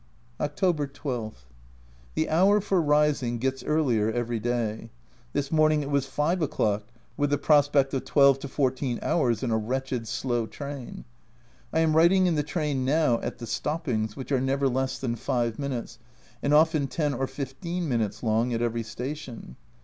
October 12. The hour for rising gets earlier every day. This morning it was 5 o'clock, with the prospect of 12 14 hours in a wretched slow train. I am writing in the train now, at the stoppings, which are never less than five minutes, and often ten or fifteen minutes long, at every station.